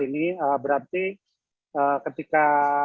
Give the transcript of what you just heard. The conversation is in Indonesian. ini berarti ketika